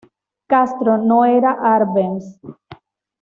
Castro no era Arbenz.